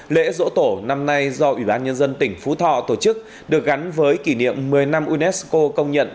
lễ dỗ tổ năm nay do ủy ban nhân dân tỉnh phú thọ tổ chức được gắn với kỷ niệm một mươi năm unesco công nhận